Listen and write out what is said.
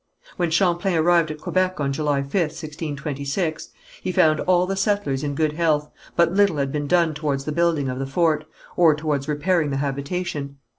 When Champlain arrived at Quebec on July 5th, 1626, he found all the settlers in good health, but little had been done towards the building of the fort, or towards repairing the habitation.